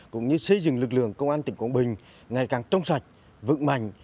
cũng như xây dựng lực lượng công an tỉnh quảng bình ngày càng trong sạch vững mạnh